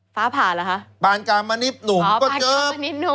ฟ้าผ่าเหรอคะปานกามานิดหนุ่มก็เกิบ